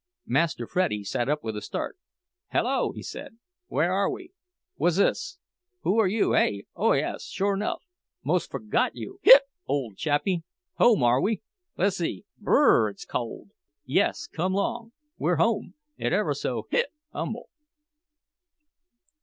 Master Freddie sat up with a start. "Hello!" he said. "Where are we? Whuzzis? Who are you, hey? Oh, yes, sure nuff! Mos' forgot you—hic—ole chappie! Home, are we? Lessee! Br r r—it's cold! Yes—come 'long—we're home—it ever so—hic—humble!"